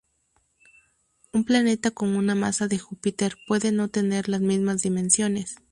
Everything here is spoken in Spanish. Un planeta con una masa de Júpiter puede no tener las mismas dimensiones.